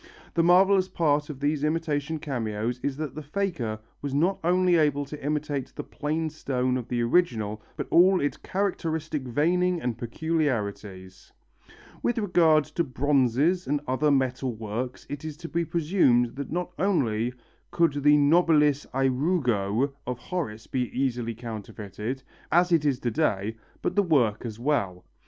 The marvellous part of these imitation cameos is that the faker was not only able to imitate the plain stone of the original but all its characteristic veining and peculiarities. With regard to bronzes and other metal works it is to be presumed that not only could the Nobilis ærugo of Horace be easily counterfeited, as it is to day, but the work as well.